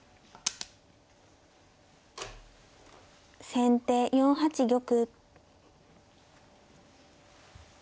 先手４八玉。